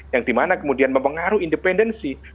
yang dimana kemudian mempengaruhi independensi